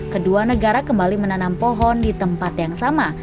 kedua negara kembali menanam pohon di tempat yang sama